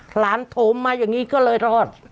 หลานโถมมาอย่างนี้ก็เลยรอด